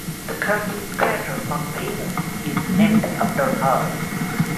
The Cunitz crater on Venus is named after her.